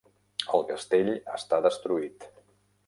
El castell està destruït.